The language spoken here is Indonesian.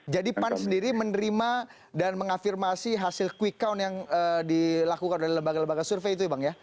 jadi pan sendiri menerima dan mengafirmasi hasil quick count yang dilakukan oleh lembaga lembaga survei itu ya bang ya